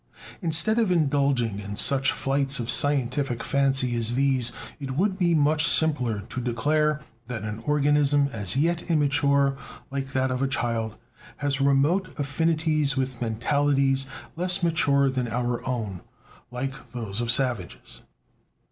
Instead of indulging in such flights of scientific fancy as these, it would be much simpler to declare that an organism as yet immature, like that of the child, has remote affinities with mentalities less mature than our own, like those of savages.